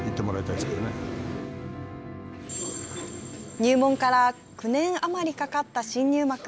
入門から９年余りかかった新入幕。